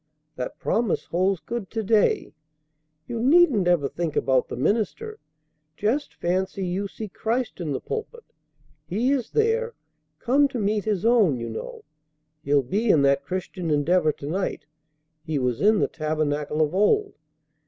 That promise holds good to day. You needn't ever think about the minister. Just fancy you see Christ in the pulpit. He is there, come to meet His own, you know. He'll be in that Christian Endeavor to night. He was in the tabernacle of old.